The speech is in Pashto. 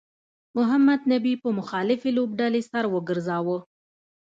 محمد نبي په مخالفې لوبډلې سر وګرځاوه